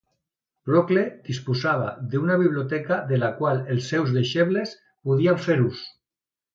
Procle disposava d'una biblioteca de la qual els seus deixebles podien fer ús.